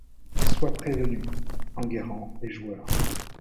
Sois prévenu-e : Enguerrand est joueur.